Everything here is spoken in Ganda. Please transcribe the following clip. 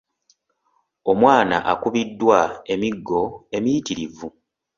Omwana akubiddwa emiggo emiyitirivu.